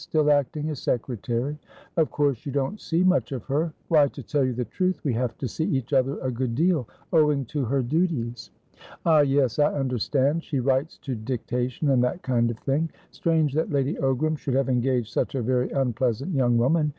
Still acting as secretary." "Of course you don't see much of her?" "Why, to tell you the truth, we have to see each other a good deal, owing to her duties." "Ah, yes, I understand. She writes to dictation, and that kind of thing. Strange that Lady Ogram should have engaged such a very unpleasant young woman.